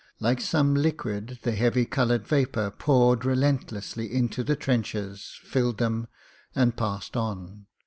Like some liquid the heavy coloured vapour poured relentlessly into the trenches, filled them, and passed on.